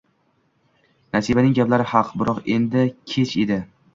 Nasibaning gaplari haq, biroq endi kech edi